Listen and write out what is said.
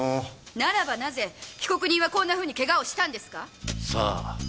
ならばなぜ被告人はこんなケガをしたんですか⁉さあ？